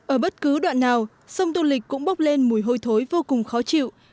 ở bất cứ đoạn nào sông tô lịch cũng bốc lên mùi hôi thối vô cùng khó chịu